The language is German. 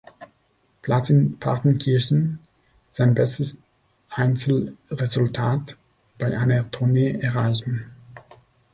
Platz in Partenkirchen sein bestes Einzelresultat bei einer Tournee erreichen.